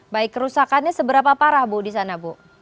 baik kerusakannya seberapa parah bu di sana bu